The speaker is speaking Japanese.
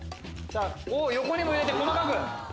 横にも入れて細かく。